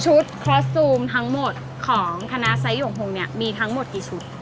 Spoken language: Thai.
ชุดคอสตูมทั้งหมดของคณะไซต์หยุงฮงมีทั้งหมดกี่ชุด